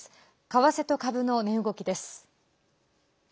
為替と株の値動きです。